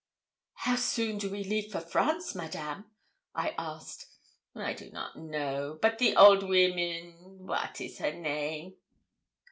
'How soon do we leave for France, Madame?' I asked. 'I do not know, but the old women wat is her name?'